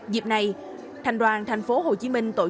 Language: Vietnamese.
dịp này thành đoàn tp hcm tội trưởng